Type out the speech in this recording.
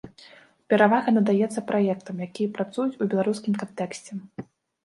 Перавага надаецца праектам, якія працуюць у беларускім кантэксце.